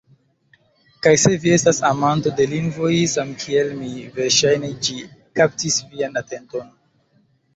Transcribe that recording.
Kaj se vi estas amanto de lingvoj samkiel mi verŝajne ĝi kaptis vian atenton